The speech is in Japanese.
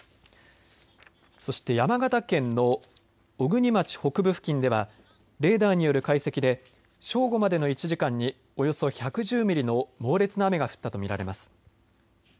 そして山形県の小国町北部付近ではレーダーによる解析で正午までの１時間におよそ１１０ミリの猛烈な雨が降ったと見られます。